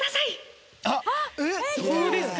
どうですか？